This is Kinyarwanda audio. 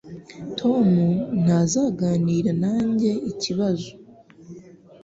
Tom ntazaganira nanjye ikibazo